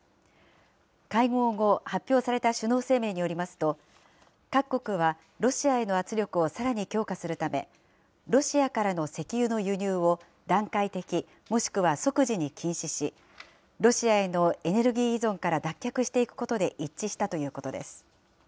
会合後、発表された首脳声明によりますと、各国はロシアへの圧力をさらに強化するため、ロシアからの石油の輸入を段階的、もしくは即時に禁止し、ロシアへのエネルギー依存から脱却していくことで一致したということです。